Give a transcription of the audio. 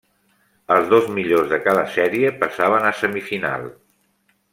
Els dos millors de cada sèrie passaven a semifinal.